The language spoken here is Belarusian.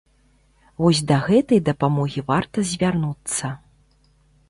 Вось да гэтай дапамогі варта звярнуцца.